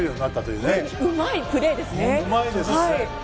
うまいプレーですね。